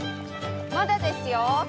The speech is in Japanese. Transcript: まだですよ。